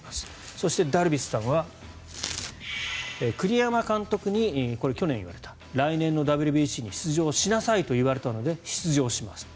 そして、ダルビッシュさんは栗山監督に、これは去年言われた来年のＷＢＣに出場しなさいと言われたので出場します。